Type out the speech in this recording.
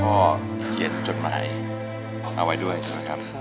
แล้วคุณพ่อเขียนจดหมายเอาไว้ด้วยครับ